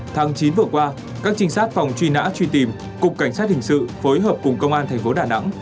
tháng chín vừa qua các trinh sát phòng truy nã truy tìm cục cảnh sát hình sự phối hợp cùng công an thành phố đà nẵng